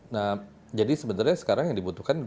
nah jadi sebenarnya sekarang yang dibutuhkan